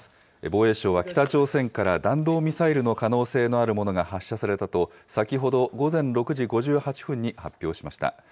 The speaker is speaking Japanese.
防衛省は北朝鮮から弾道ミサイルの可能性のあるものが発射されたと、先ほど午前６時５８分に発表しました。